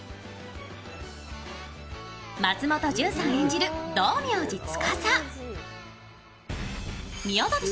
松本潤さん演じる道明寺司。